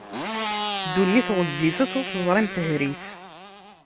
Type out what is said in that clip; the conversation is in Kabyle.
Ddunit ɣwezzifet, ur teẓrim tehri-s!